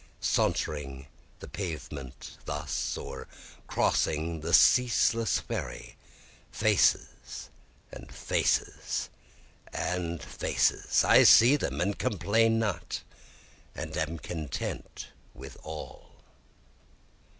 Sauntering the pavement thus, or crossing the ceaseless ferry, faces and faces and faces, I see them and complain not, and am content with all.